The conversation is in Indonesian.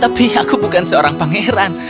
tapi aku bukan seorang pangeran